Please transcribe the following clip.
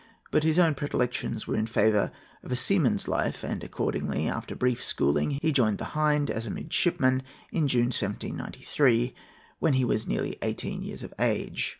But his own predilections were in favour of a seaman's life, and accordingly, after brief schooling, he joined the Hind, as a midshipman, in June, 1793, when he was nearly eighteen years of age.